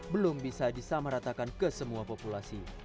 belum bisa disamaratakan ke semua populasi